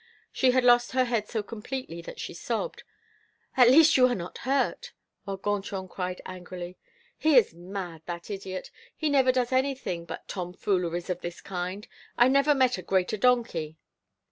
She had lost her head so completely that she sobbed: "At least you are not hurt?" while Gontran cried angrily: "He is mad, that idiot; he never does anything but tomfooleries of this kind. I never met a greater donkey!"